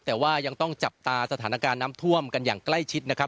แต่ว่ายังต้องจับตาสถานการณ์น้ำท่วมกันอย่างใกล้ชิดนะครับ